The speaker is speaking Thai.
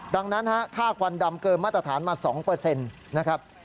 ดังนั้นค่าควันดำเกินมาตรฐานมา๒นะครับ